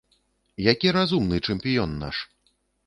Які разумны чэмпіён наш.